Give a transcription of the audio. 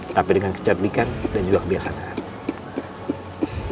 tapi dengan kecablikan dan juga kebiasaan